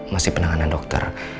masih penanganan dokter